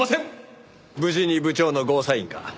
無事に部長のゴーサインが。